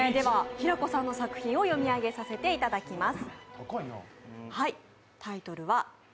平子さんの作品を読み上げさせていただきます。